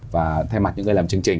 và thay mặt những người làm chương trình